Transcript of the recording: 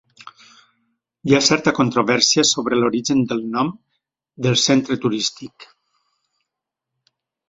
Hi ha certa controvèrsia sobre l'origen del nom del centre turístic.